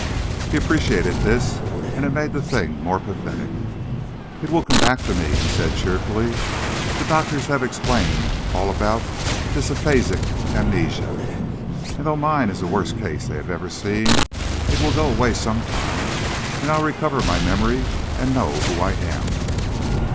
He appreciated this, and it made the thing more pathetic. "It will come back to me," he said, cheerfully. "The doctors have explained all about this aphasic amnesia, and though mine is the worst case they have ever seen, it will go away some time, and I'll recover my memory and know who I am."